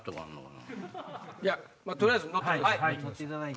取りあえず乗ってください。